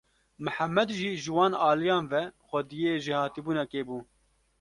Mihemed jî ji wan aliyan ve xwediyê jêhatîbûnekê bû.